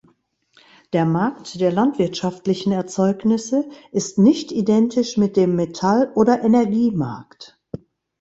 Der Markt der landwirtschaftlichen Erzeugnisse ist nicht identisch mit dem Metalloder Energiemarkt.